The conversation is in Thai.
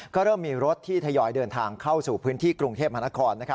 ก็เริ่มมีรถที่ทยอยเดินทางเข้าสู่พื้นที่กรุงเทพมหานคร